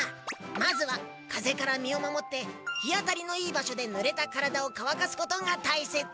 まずはかぜからみをまもってひあたりのいいばしょでぬれたからだをかわかすことがたいせつ。